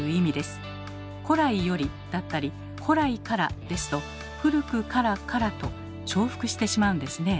「古来より」だったり「古来から」ですと「『古くから』から」と重複してしまうんですね。